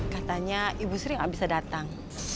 katanya ibu sri gak bisa datang